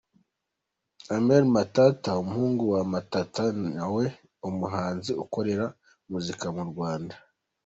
Armel Matata, umuhungu wa Matata na we ni umuhanzi ukorera umuziki mu Rwanda.